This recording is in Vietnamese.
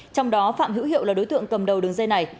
trong đó phạm hữu hiệu là đối tượng cầm đầu đường dây này